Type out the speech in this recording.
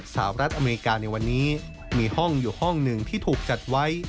สหรัฐอเมริกาในวันนี้มีห้องอยู่ห้องหนึ่งที่ถูกจัดไว้